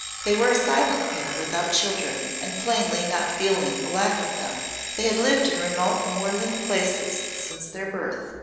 They were a silent pair without children and plainly not feeling the lack of them. They had lived in remote moorland places since their birth.